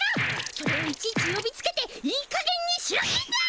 それをいちいちよびつけていいかげんにしろってんだ！